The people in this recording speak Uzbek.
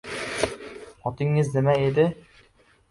— Otingiz nima edi?